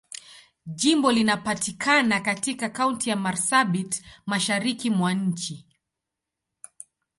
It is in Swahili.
Jimbo linapatikana katika Kaunti ya Marsabit, Mashariki mwa nchi.